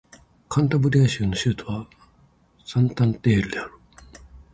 カンタブリア州の州都はサンタンデールである